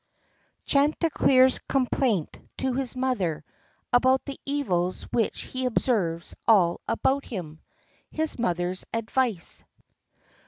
chanticleer's complaint to his mother about the evils WHICH HE OBSERVES ALL ABOUT HIM. HIS MOTHER'S ADVICE.